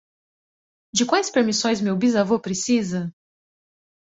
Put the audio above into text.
De quais permissões meu bisavô precisa?